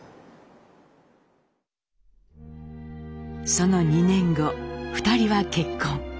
その２年後２人は結婚。